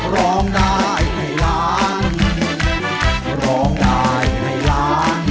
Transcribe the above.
ร้องได้ให้ล้านร้องได้ให้ล้าน